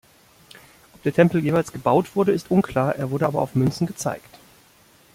Ob der Tempel jemals gebaut wurde, ist unklar; er wurde aber auf Münzen gezeigt.